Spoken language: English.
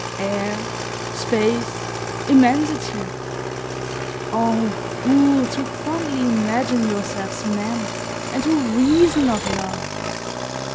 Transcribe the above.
Air, space, immensity. O fools! who fondly imagine yourselves men, and who reason of love!